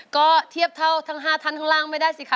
ก็เทียบเท่าทั้ง๕ท่านข้างล่างไม่ได้สิคะ